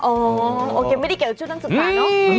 โอเคไม่ได้เกี่ยวกับชุดนักศึกษาเนอะ